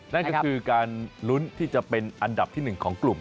นั่นก็คือการลุ้นที่จะเป็นอันดับที่๑ของกลุ่ม